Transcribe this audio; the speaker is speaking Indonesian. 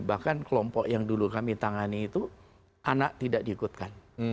bahkan kelompok yang dulu kami tangani itu anak tidak diikutkan